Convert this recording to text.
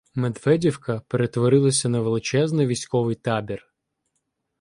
Медведівка перетворилася на величезний військовий табір.